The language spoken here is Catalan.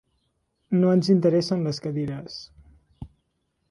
No ens interessen les cadires.